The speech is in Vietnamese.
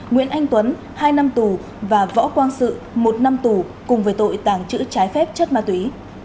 nguyễn anh tuấn hai năm tù và võ quang sự một năm tù cùng với tội tàng trữ trái phép chất ma túy